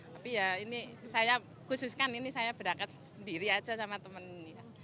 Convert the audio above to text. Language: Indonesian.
tapi ya ini saya khususkan ini saya berangkat sendiri aja sama temen ya